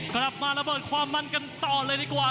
กลับมาระเบิดความมันกันต่อเลยดีกว่า